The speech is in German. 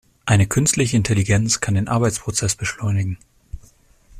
Eine künstliche Intelligenz kann den Arbeitsprozess beschleunigen.